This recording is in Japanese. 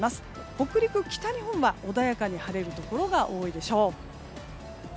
北陸、北日本は、穏やかに晴れるところが多いでしょう。